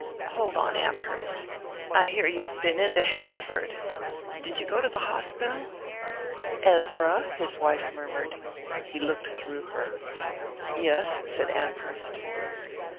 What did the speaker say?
"Hold on, Amherst. I hear you've been in to Hanaford. Did you go to the hospital?" "Ezra " his wife murmured: he looked through her. "Yes," said Amherst.